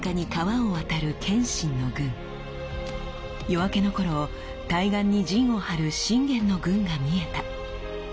夜明けの頃対岸に陣を張る信玄の軍が見えた。